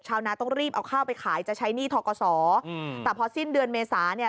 นาต้องรีบเอาข้าวไปขายจะใช้หนี้ทกศแต่พอสิ้นเดือนเมษาเนี่ย